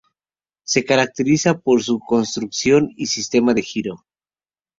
Se caracterizan por su construcción y sistema de giro.